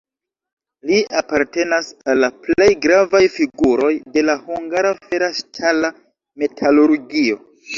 Li apartenas al la plej gravaj figuroj de la hungara fera-ŝtala metalurgio.